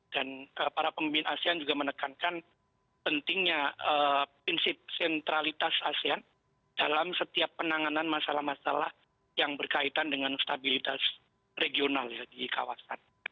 dan para pemimpin asean juga menekankan pentingnya prinsip sentralitas asean dalam setiap penanganan masalah masalah yang berkaitan dengan stabilitas regional di kawasan